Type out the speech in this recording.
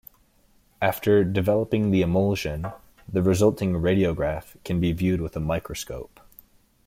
After developing the emulsion, the resulting radiograph can be viewed with a microscope.